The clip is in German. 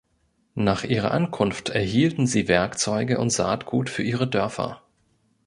Nach ihrer Ankunft erhielten sie Werkzeuge und Saatgut für ihre Dörfer.